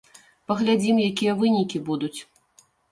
Паглядзім, якія вынікі будуць.